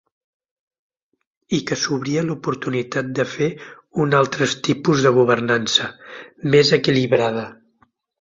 I que sobria l’oportunitat de fer un altres tipus de governança, més equilibrada.